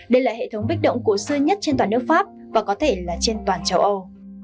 đây là hệ thống bích động cổ xưa nhất trên toàn nước pháp và có thể là trên toàn châu âu